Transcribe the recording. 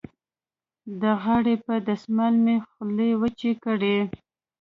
د غاړې په دستمال مې خولې وچې کړې.